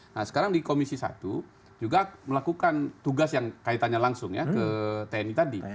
nah sekarang di komisi satu juga melakukan tugas yang kaitannya langsung ya ke tni tadi